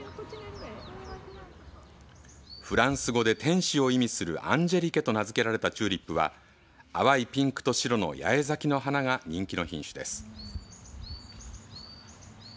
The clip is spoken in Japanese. フランス語で天使を意味するアンジェリケと名付けられたチューリップは淡いピンクと白の八重咲きの花が人気の品種です。